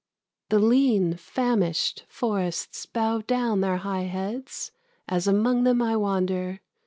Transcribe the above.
The lean, famished forests bow down their high heads As among them I wander.